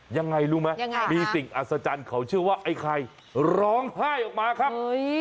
ยังไงรู้ไหมยังไงมีสิ่งอัศจรรย์เขาเชื่อว่าไอ้ไข่ร้องไห้ออกมาครับ